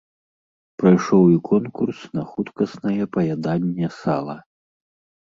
Прайшоў і конкурс на хуткаснае паяданне сала.